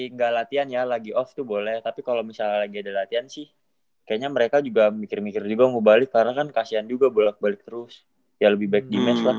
nggak latihan ya lagi off tuh boleh tapi kalau misalnya lagi ada latihan sih kayaknya mereka juga mikir mikir juga mau balik karena kan kasihan juga bolak balik terus ya lebih baik di mes lah